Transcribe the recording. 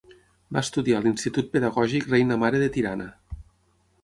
Va estudiar a l'Institut Pedagògic Reina Mare de Tirana.